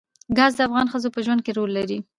ګاز د افغان ښځو په ژوند کې رول لري.